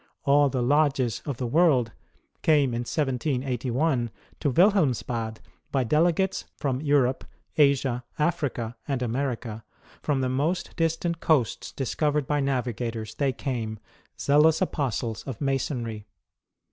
All the lodges of the world came in 1781 to Wilhelmsbad by delegates from Europe, Asia, Africa, and America ; from the most distant coasts discovered by navigators, they came, zealous apostles of Masonry